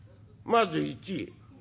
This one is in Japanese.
「まず１。